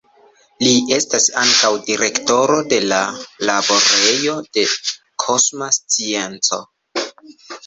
Li estas ankaŭ direktoro de la Laborejo de Kosma Scienco.